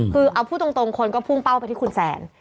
คือเอาพูดตรงคนก็พุ่งเป้าไปที่คุณแซน